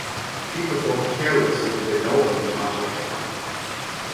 He performed "Careless" from the album "Cha Cha Cha".